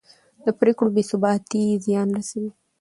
د پرېکړو بې ثباتي زیان رسوي